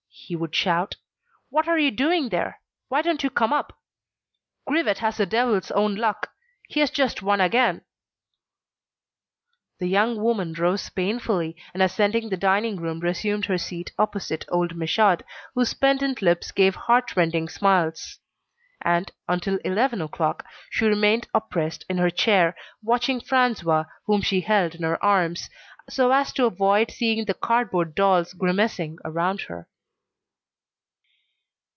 he would shout. "What are you doing there? Why don't you come up? Grivet has the devil's own luck. He has just won again." The young woman rose painfully, and ascending to the dining room resumed her seat opposite old Michaud, whose pendent lips gave heartrending smiles. And, until eleven o'clock, she remained oppressed in her chair, watching François whom she held in her arms, so as to avoid seeing the cardboard dolls grimacing around her.